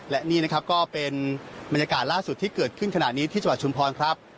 และนี่ก็เป็นบรรยากาศล่าสุดที่เกิดขึ้นขนาดนี้ที่จักราชน์ชุมพล